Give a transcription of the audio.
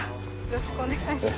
よろしくお願いします。